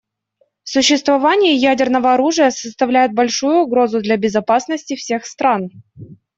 Существование ядерного оружия составляет большую угрозу для безопасности всех стран.